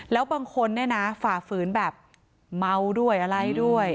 แล้วบางคนเนี่ยนะฝ่าฝืนแบบเมาด้วยอะไรด้วย